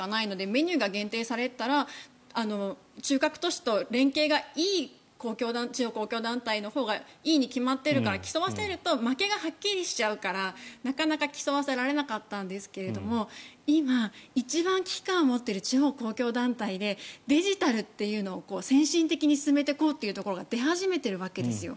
メニューが限定されていたら中核都市と連携がいい地方公共団体のほうがいいに決まっているから競わせると負けがはっきりしちゃうからなかなか競わせられなかったんですが今、一番危機感を持っている地方公共団体でデジタルというのを先進的に進めていこうというところが出始めているわけですよ。